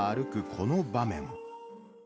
この場面。